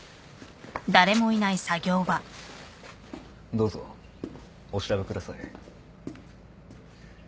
どうぞお調べください。